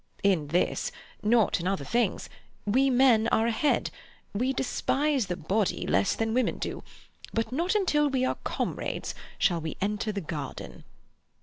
"In this—not in other things—we men are ahead. We despise the body less than women do. But not until we are comrades shall we enter the garden."